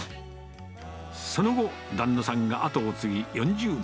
その後、旦那さんが後を継ぎ、４０年。